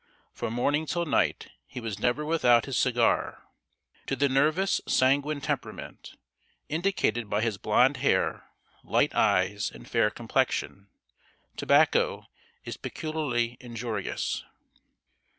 From morning till night he was never without his cigar. To the nervous sanguine temperament, indicated by his blonde hair, light eyes, and fair complexion, tobacco is peculiarly injurious.